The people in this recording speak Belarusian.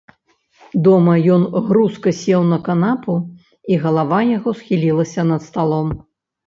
Дома ён грузка сеў на канапу і галава яго схілілася над сталом.